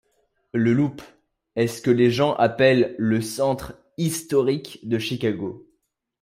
Le Loop est ce que les gens appellent le centre historique de Chicago.